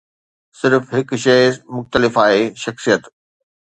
صرف هڪ شيء مختلف آهي، شخصيت.